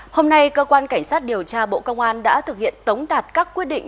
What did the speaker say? hôm nay cơ quan cảnh sát điều tra bộ công an đã thực hiện tống đạt các quyết định